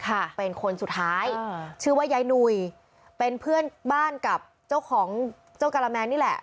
ค่ะเป็นคนสุดท้ายอ่าชื่อว่ายายหนุ่ยเป็นเพื่อนบ้านกับเจ้าของเจ้ากะละแมนนี่แหละ